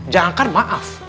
jangan kan maaf